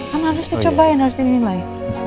emang harus dicobain harus dinilai